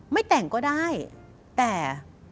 ไม่แต่งก็ได้แต่